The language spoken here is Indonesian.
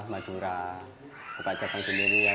nah madura buka jepang sendiri ya